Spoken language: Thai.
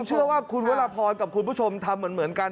เชื่อว่าคุณวรพรกับคุณผู้ชมทำเหมือนกัน